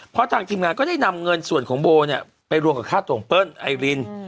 เพราะทางทีมงานก็ได้นำเงินส่วนของโบเนี่ยไปรวมกับค่าตัวของเปิ้ลไอริน